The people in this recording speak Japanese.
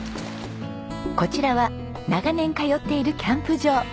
こちらは長年通っているキャンプ場。